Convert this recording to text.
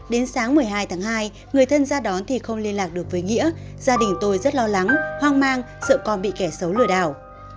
đến sáng một mươi hai tháng hai người thân ra đón thì không liên lạc được với nghĩa gia đình tôi rất lo lắng hoang mang sợ con bị kẻ xấu lừa đảo